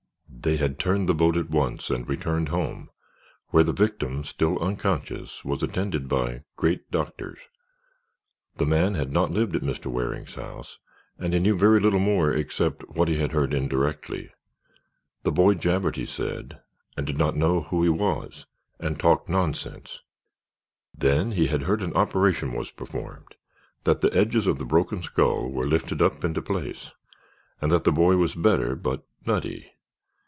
They had turned the boat at once and returned home, where the victim, still unconscious, was attended by "great doctors." The man had not lived at Mr. Waring's house and he knew very little more except what he had heard indirectly. The boy jabbered, he said, and did not know who he was and talked nonsense. Then he had heard that an operation was performed, that the edges of the broken skull were lifted up into place, and that the boy was better but "nutty."